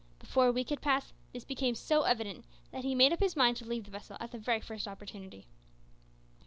Before a week had passed, this became so evident that he made up his mind to leave the vessel at the very first opportunity.